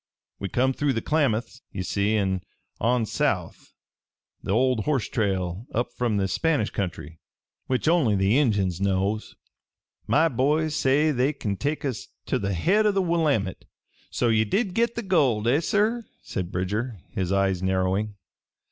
"We come through the Klamaths, ye see, an' on south the old horse trail up from the Spanish country, which only the Injuns knows. My boys say they kin take us ter the head o' the Willamette. "So ye did get the gold! Eh, sir?" said Bridger, his eyes narrowing.